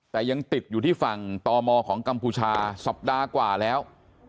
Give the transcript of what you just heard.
แต่ยังติดอยู่ที่ฝั่งตมของกัมพูชาสัปดาห์กว่าแล้ว